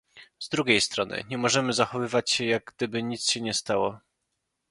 Z drugiej strony, nie możemy zachowywać się, jak gdyby nic się nie stało